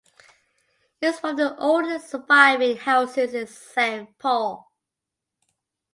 It is one of the oldest surviving houses in Saint Paul.